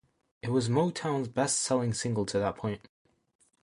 It was Motown's best-selling single to that point.